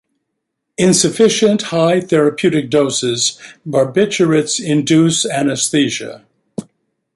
In sufficiently high therapeutic doses, barbiturates induce anesthesia.